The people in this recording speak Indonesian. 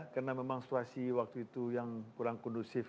karena memang situasi waktu itu yang kurang kondusif